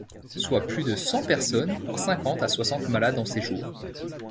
Soit plus de cent personnes pour cinquante à soixante malades en séjour.